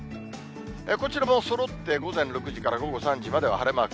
こちらもそろって午前６時から午後３時までは晴れマーク。